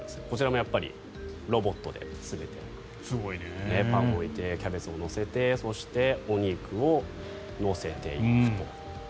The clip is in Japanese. こちらもやっぱりロボットで全てパンを置いてキャベツを乗せてそして、お肉を乗せていくと。